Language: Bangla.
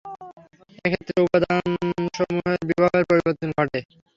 এক্ষেত্রে উপাদানসমূহের বিভবের পরিবর্তন ঘটে।